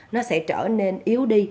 nó sẽ trở nên yếu đi